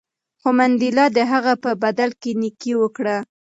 خو منډېلا د هغه په بدل کې نېکي وکړه.